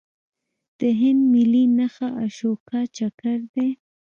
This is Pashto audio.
د هند ملي نښه اشوکا چکر دی.